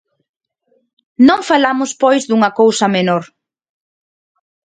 Non falamos pois dunha cousa menor.